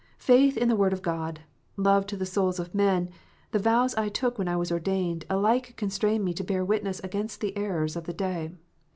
Faith in the Word of God, love to the souls of men, the vows I took when I was ordained, alike constrain me to bear witness against the errors of the day.